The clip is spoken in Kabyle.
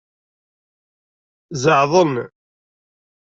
Zeɛḍen.